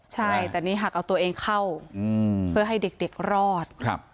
ใช่แต่นี่หากเอาตัวเองเข้าเพื่อให้เด็กรอด